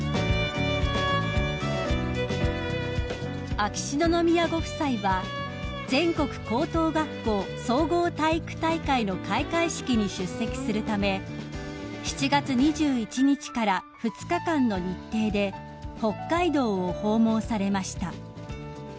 ［秋篠宮ご夫妻は全国高等学校総合体育大会の開会式に出席するため７月２１日から２日間の日程で北海道を訪問されました］